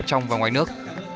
trong và ngoài nước